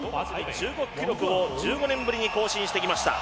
中国記録を１５年ぶりに更新してきました。